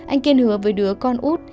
anh kiên hứa với đứa con út